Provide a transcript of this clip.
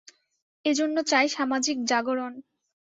এ জন্য চাই সামাজিক জাগরণ।